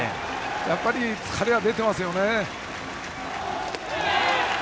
やっぱり疲れは出ていますよね。